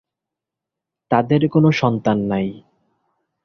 তাদের কোনো সন্তান নাই।